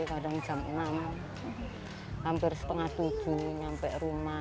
kadang jam enam hampir setengah tujuh sampai rumah